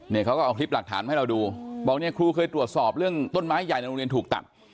เขาก็เอาคลิปหลักฐานมาให้เราดูบอกเนี่ยครูเคยตรวจสอบเรื่องต้นไม้ใหญ่ในโรงเรียนถูกตัด